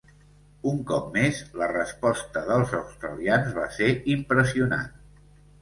Un cop més, la resposta dels australians va ser impressionant.